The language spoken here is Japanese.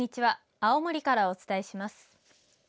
青森からお伝えします。